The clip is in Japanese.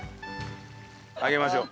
上げましょう。